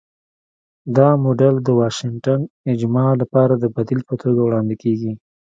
دا موډل د 'واشنګټن اجماع' لپاره د بدیل په توګه وړاندې کېږي.